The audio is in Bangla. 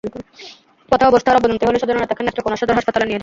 পথে অবস্থার অবনতি হলে স্বজনেরা তাঁকে নেত্রকোনা সদর হাসপাতালে নিয়ে যান।